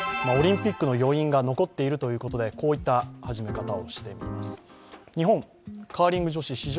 オリンピックの余韻が残っているということでこういった始め方をしてみます。